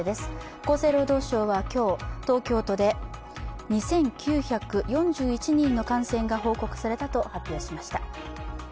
厚生労働省は今日、東京都で２９４１人の感染が報告された発表しました。